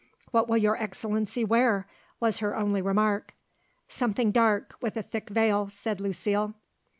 "What will Your Excellency wear?" was her only remark. "Something dark, with a thick veil," said Lucile.